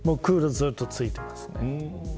ずっとつけています。